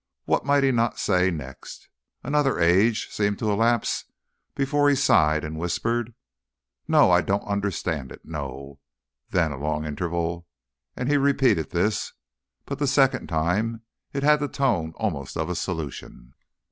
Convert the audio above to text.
What might he not say next? Another age seemed to elapse before he sighed and whispered: "No. I don't understand it. No!" Then a long interval, and he repeated this. But the second time it had the tone almost of a solution.